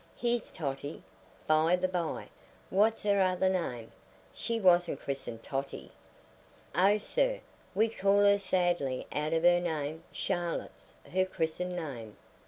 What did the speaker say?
"Here's Totty! By the by, what's her other name? She wasn't christened Totty." "Oh, sir, we call her sadly out of her name. Charlotte's her christened name.